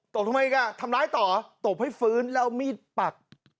บทำไมอีกอ่ะทำร้ายต่อตบให้ฟื้นแล้วเอามีดปัก